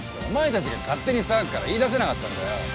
お前たちが勝手に騒ぐから言いだせなかったんだよ。